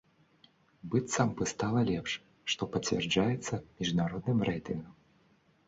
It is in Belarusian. Быццам бы стала лепш, што пацвярджаецца міжнародным рэйтынгам.